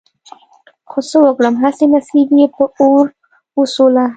خو څه وکړم هسې نصيب يې په اور وسوله.